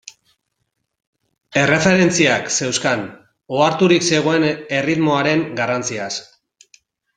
Erreferentziak zeuzkan, oharturik zegoen erritmoaren garrantziaz.